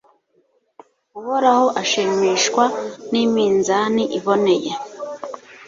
uhoraho ashimishwa n'iminzani iboneye